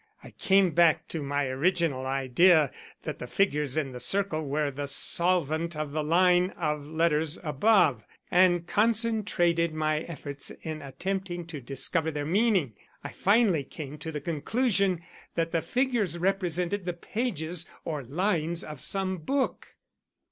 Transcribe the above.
"I came back to my original idea that the figures in the circle were the solvent of the line of letters above, and concentrated my efforts in attempting to discover their meaning. I finally came to the conclusion that the figures represented the pages or lines of some book."